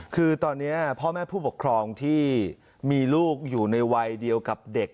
คือตอนนี้พ่อแม่ผู้ปกครองที่มีลูกอยู่ในวัยเดียวกับเด็ก